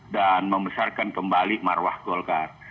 bagi rakyat dan membesarkan kembali marwah golkar